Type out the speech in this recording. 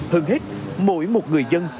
hơn hết mỗi một người dân